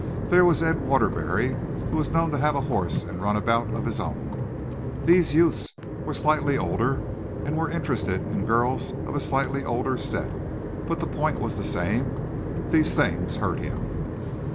There was Ed Waterbury, who was known to have a horse and runabout of his own. These youths were slightly older, and were interested in girls of a slightly older set, but the point was the same. These things hurt him.